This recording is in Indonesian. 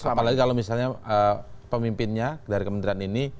apalagi kalau misalnya pemimpinnya dari kementerian ini